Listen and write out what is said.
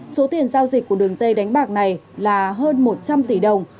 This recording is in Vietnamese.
số tiền giao dịch của đường dây đánh bạc này là hơn một trăm linh tỷ đồng